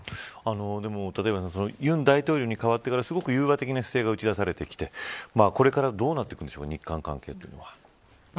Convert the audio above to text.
でも立岩さん尹大統領に代わってからすごく融和的な姿勢が打ち出されてきてこれからどうなっていくんでしょうか、日韓関係は。